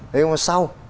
thế nhưng mà sau